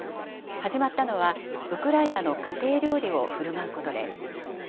始まったのは、ウクライナの家庭料理をふるまうことです。